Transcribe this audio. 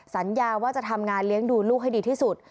สัญญาว่าจะทำงานเลี้ยงดูลูกให้ดีที่สุด